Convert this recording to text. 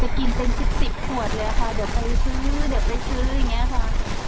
จะกินเป็น๑๐ขวดเลยเดี๋ยวไปซื้ออย่างนี้ค่ะ